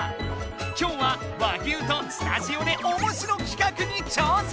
今日は和牛とスタジオでおもしろきかくに挑戦！